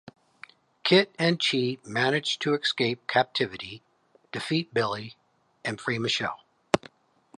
Kit and Chi manage to escape captivity, defeat Billy, and free Michelle.